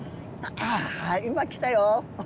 今来たよ。